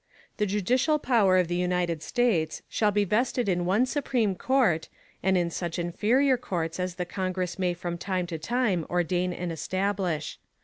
The Judicial Power of the United States, shall be vested in one supreme Court, and in such inferior Courts as the Congress may from time to time ordain and establish.